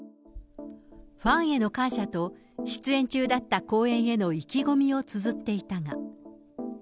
ファンへの感謝と出演中だった公演への意気込みをつづっていたが。